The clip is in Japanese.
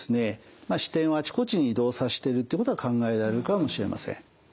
視点をあちこちに移動さしてるってことは考えられるかもしれません。